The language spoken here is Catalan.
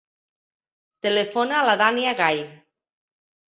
Telefona a la Dània Gay.